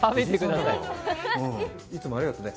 いつもありがとうね。